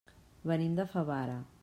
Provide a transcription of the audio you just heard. Venim de Favara.